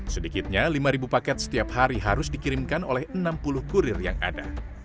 sedikitnya lima paket setiap hari harus dikirimkan oleh enam puluh kurir yang ada